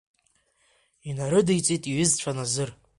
Инарыдиҵеит иҩызцәа Назыр.